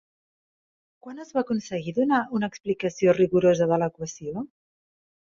Quan es va aconseguir donar una explicació rigorosa de l'equació?